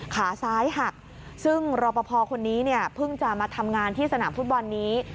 ขาซ้ายหักซึ่งรอปภคนนี้เนี่ยเพิ่งจะมาทำงานที่สนามฟุตบอลนี้